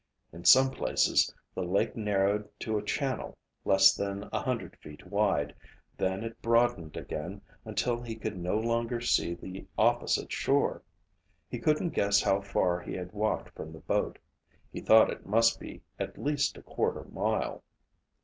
In some places the lake narrowed to a channel less than a hundred feet wide, then it broadened again until he could no longer see the opposite shore. He couldn't guess how far he had walked from the boat. He thought it must be at least a quarter mile.